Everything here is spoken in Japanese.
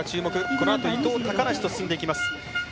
このあと、伊藤、高梨と進んでいきます。